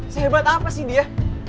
sehebat apa sih dia